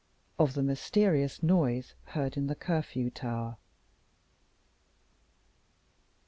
Of the Mysterious Noise heard in the Curfew Tower.